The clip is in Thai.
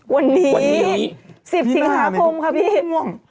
วันนี้๑๐สิงหาคมครับพี่